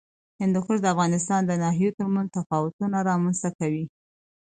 هندوکش د افغانستان د ناحیو ترمنځ تفاوتونه رامنځ ته کوي.